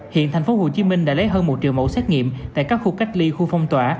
hiện tp hcm đã lấy hơn một triệu mẫu xét nghiệm tại các khu cách ly khu phong tỏa